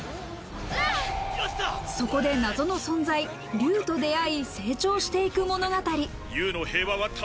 そこで謎の存在・竜と出会い、成長していく物語。